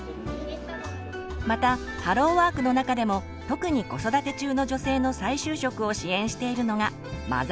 またハローワークの中でも特に子育て中の女性の再就職を支援しているのが「マザーズハローワーク」。